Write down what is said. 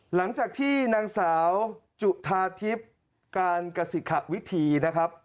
หลังจากที่นางสาวจุธาทิพย์การกสิขวิธีนะครับ